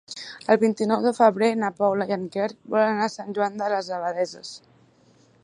El vint-i-nou de febrer na Paula i en Quer volen anar a Sant Joan de les Abadesses.